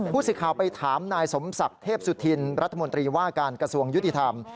สิทธิ์ไปถามนายสมศักดิ์เทพสุธินรัฐมนตรีว่าการกระทรวงยุติธรรม